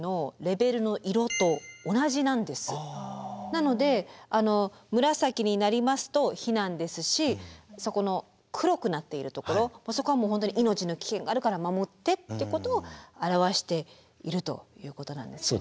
なので紫になりますと避難ですしそこの黒くなっているところそこはもう本当に命の危険があるから守ってってことを表しているということなんですね。